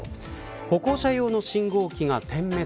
歩行者用の信号機が点滅。